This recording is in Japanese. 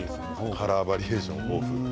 カラーバリエーションも豊富です。